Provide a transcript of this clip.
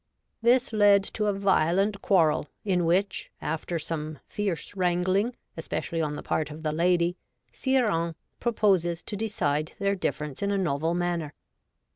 This led to a violent quarrel, in which, after some fierce wrangling, especially on the part of the lady, Sire Hains proposes to decide their difference in a novel manner.